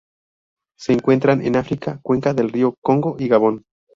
Se encuentran en África: cuenca del río Congo y Gabón.